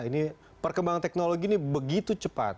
ini perkembangan teknologi ini begitu cepat